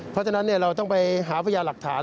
เพราะฉะนั้นเราต้องไปหาพยาหลักฐาน